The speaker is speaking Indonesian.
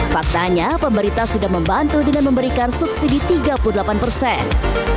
faktanya pemerintah sudah membantu dengan memberikan subsidi tiga puluh delapan persen